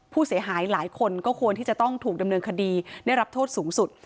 เพราะต้องถูกดำเนินคดีได้รับโทษสูงสุด